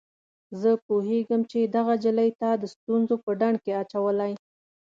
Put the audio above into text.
زه پوهیږم چي دغه نجلۍ تا د ستونزو په ډنډ کي اچولی.